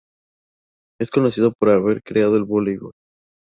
Es conocido por haber creado el volleyball.